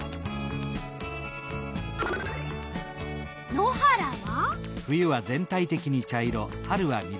野原は？